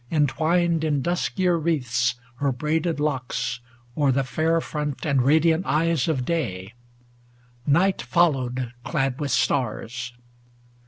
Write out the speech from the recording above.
Entwined in duskier wreaths her braided locks O'er the fair front and radiant eyes of Day; Night followed, clad with stars.